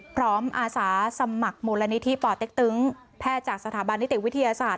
อาสาสมัครมูลนิธิป่อเต็กตึงแพทย์จากสถาบันนิติวิทยาศาสตร์